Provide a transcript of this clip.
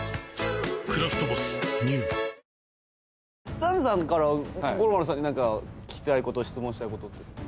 サンドさんから五郎丸さんに何か聞きたいこと質問したいことって。